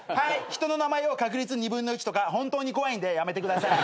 人の名前を確率２分の１とか本当に怖いんでやめてください。